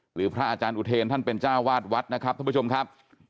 พระอาจารย์อุเทรนท่านเป็นเจ้าวาดวัดนะครับท่านผู้ชมครับ